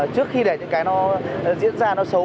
trước khi để những cái nó diễn ra nó xấu